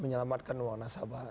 menyelamatkan uang nasabah